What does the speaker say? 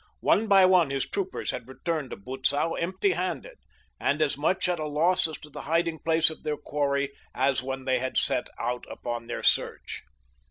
One by one his troopers had returned to Butzow empty handed, and as much at a loss as to the hiding place of their quarry as when they had set out upon their search.